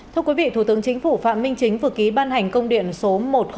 thưa quý vị thủ tướng chính phủ phạm minh chính vừa ký ban hành công điện số một nghìn tám mươi bảy